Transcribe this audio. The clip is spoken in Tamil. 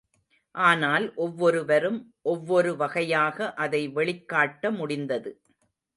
ஆனால், ஒவ்வொருவரும் ஒவ்வொரு வகையாக அதை வெளிக்காட்ட முடிந்தது.